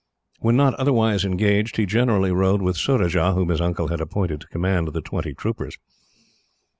When not otherwise engaged, he generally rode with Surajah, whom his uncle had appointed to command the twenty troopers.